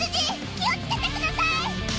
気を付けてください！